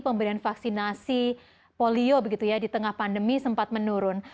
pemberian vaksinasi polio di tengah pandemi sempat menurun